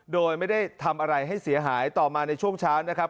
โดยไม่ได้ทำอะไรให้เสียหายต่อมาในช่วงเช้านะครับ